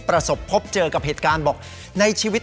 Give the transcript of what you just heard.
ไปไปไป